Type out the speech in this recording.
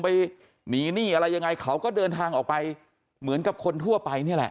ไปหนีหนี้อะไรยังไงเขาก็เดินทางออกไปเหมือนกับคนทั่วไปนี่แหละ